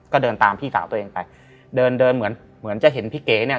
ก็เดินตามพี่สาวตัวเองไปเดินเดินเหมือนเหมือนจะเห็นพี่เก๋เนี่ย